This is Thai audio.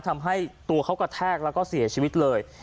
ทำให้ตัวเขากระแทกแล้วก็เสียชีวิตเลย